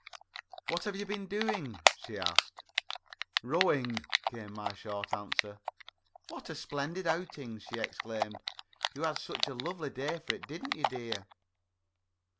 "What have you been doing?" she asked. "Rowing," came my short answer. "What a splendid outing!" she exclaimed. "You had such a lovely day for it, didn't you, dear?"